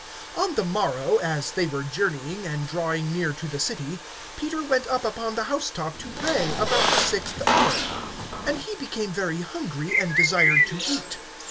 (9)On the morrow, as they were journeying, and drawing near to the city, Peter went up upon the house top to pray, about the sixth hour. (10)And he became very hungry, and desired to eat.